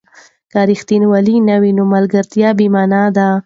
که ریښتینولي نه وي، نو ملګرتیا بې مانا ده.